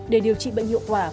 để điều trị bệnh dụng